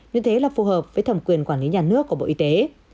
như thế là phù hợp với thẩm quyền quản lý nhà nước của bộ y tế